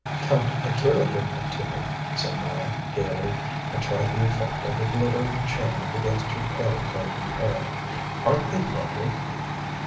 "Count Akira gave them to me," said Mara, gaily, and tried the effect of the glittering chain against her pale golden hair; "aren't they lovely?"